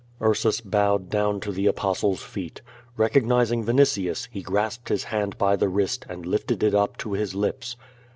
Ursus bowed down to the Ai>ostle's feet. Recognizing Vinitius, he grasped his hand by the wrist, and lifted it up to his lips.